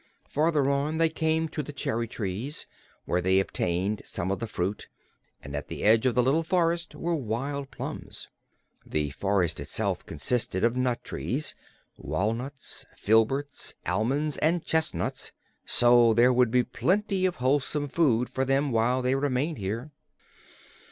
Farther on they came to the cherry trees, where they obtained some of the fruit, and at the edge of the little forest were wild plums. The forest itself consisted entirely of nut trees walnuts, filberts, almonds and chestnuts so there would be plenty of wholesome food for them while they remained there.